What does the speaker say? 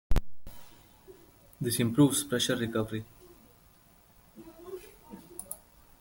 This improves pressure recovery.